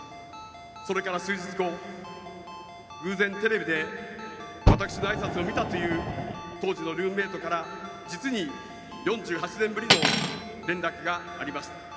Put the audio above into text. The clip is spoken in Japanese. それから数日後、偶然テレビで私のあいさつを見たという当時のルームメートから実に４８年ぶりの連絡がありました。